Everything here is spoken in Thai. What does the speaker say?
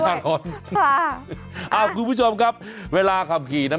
ค่ะอ่าคุณผู้ชมครับเวลาขับขี่นั้น